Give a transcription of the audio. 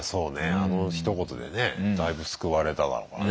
あのひと言でねだいぶ救われただろうからね